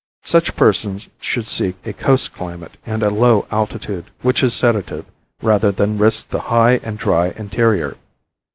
Such persons should seek a coast climate and a low altitude, which is sedative, rather than risk the high and dry interior.